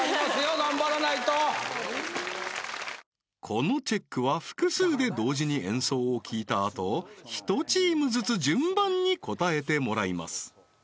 頑張らないとこのチェックは複数で同時に演奏を聴いたあとひとチームずつ順番に答えてもらいます